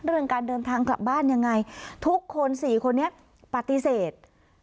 เรื่องการเดินทางกลับบ้านยังไงทุกคนสี่คนนี้ปฏิเสธ